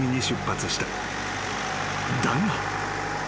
［だが］